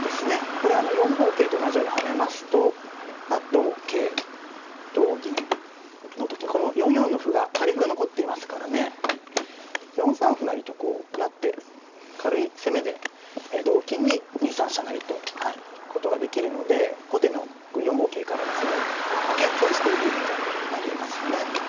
これあの４五桂と同じように跳ねますと同桂同銀の時にこの４四の歩が垂れ歩が残っていますからね４三歩成とこう成って軽い攻めで同金に２三飛車成と行くことができるので後手の４五桂からの攻めをけん制している意味がありますね。